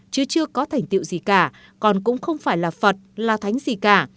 chưa có thành tiệu gì cả con cũng không phải là phật là thánh gì cả